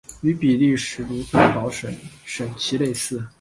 与比利时卢森堡省省旗类似。